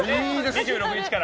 ２６日から。